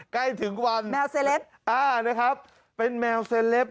ใกล้ถึงวันแมวเซลปอ่านะครับเป็นแมวเซเลป